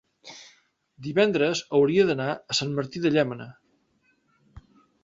divendres hauria d'anar a Sant Martí de Llémena.